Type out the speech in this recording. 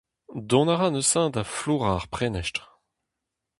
Dont a ra neuze da flourañ ar prenestr.